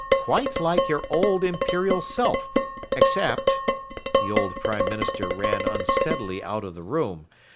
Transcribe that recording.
"Quite like your old Imperial Self, except " The old Prime Minister ran unsteadily out of the room.